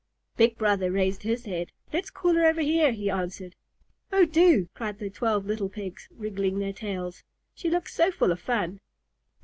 Big brother raised his head. "Let's call her over here," he answered. "Oh, do!" cried the twelve little Pigs, wriggling their tails. "She looks so full of fun."